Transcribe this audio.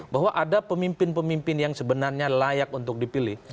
bahwa ada pemimpin pemimpin yang sebenarnya layak untuk dipilih